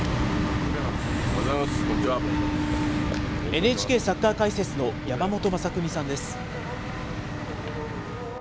ＮＨＫサッカー解説の山本昌邦さんです。